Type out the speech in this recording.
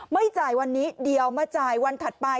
ไม่จ่ายวันนี้เดี๋ยวมาจ่ายวันถัดไป